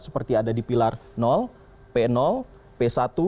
seperti ada di pilar p p satu